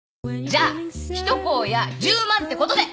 じゃあ一荒野１０万ってことで。